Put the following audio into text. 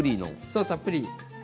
そう、たっぷり。